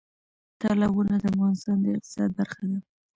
تالابونه د افغانستان د اقتصاد برخه ده.